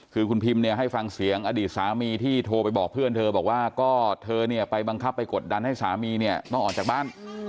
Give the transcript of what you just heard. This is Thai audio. คือคุณพิมเนี่ยให้ฟังเสียงอดีตสามีที่โทรไปบอกเพื่อนเธอบอกว่าก็เธอเนี่ยไปบังคับไปกดดันให้สามีเนี่ยต้องออกจากบ้าน